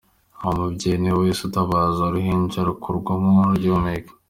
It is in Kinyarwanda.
Uwo mubyeyi ni we wahise atabaza, uruhinja rukurwamo rugihumeka.